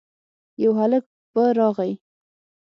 يو هلک په راغی.